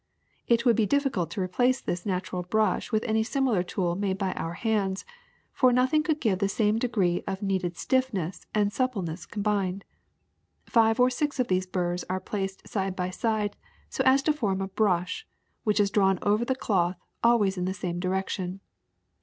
It would be difficult to replace this natural brush with any similar tool made by our hands, for nothing could give the same degree of needed stiiTness and suppleness combined. Five or six of these burs are placed side by side so as to form a brush, which is drawn over the cloth always in the same direction.